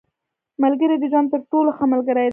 • ملګری د ژوند تر ټولو ښه ملګری دی.